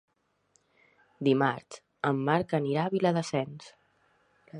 Dimarts en Marc anirà a Viladasens.